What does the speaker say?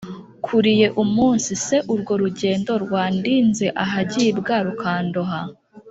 kuriyeUmunsi se urwo rugendo Rwandinze ahagibwa Rukandoha